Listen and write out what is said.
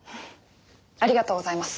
ありがとうございます。